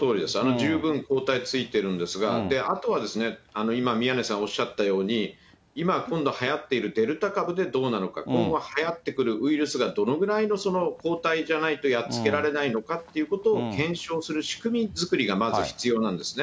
十分抗体ついてるんですが、あとはですね、今、宮根さんおっしゃったように、今、今度はやっているデルタ株でどうなのか、今後、はやってくるウイルスがどのぐらいの抗体じゃないとやっつけられないのかということを検証する仕組み作りがまず必要なんですね。